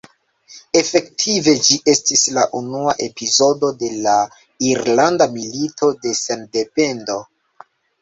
Efektive ĝi estis la unua epizodo de la Irlanda Milito de Sendependo.